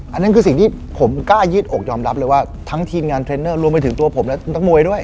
อันนั้นคือสิ่งที่ผมกล้ายืดอกยอมรับเลยว่าทั้งทีมงานเทรนเนอร์รวมไปถึงตัวผมและนักมวยด้วย